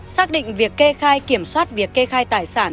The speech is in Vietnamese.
xác định việc kê khai kiểm soát việc kê khai tài sản